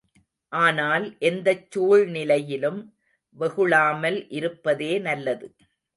ஆனால், எந்தச் சூழ்நிலையிலும் வெகுளாமல் இருப்பதே நல்லது.